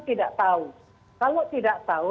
tidak tahu kalau tidak tahu